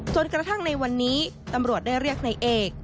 กระทั่งในวันนี้ตำรวจได้เรียกในเอก